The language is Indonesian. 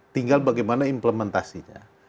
tinggal bagaimana implementasinya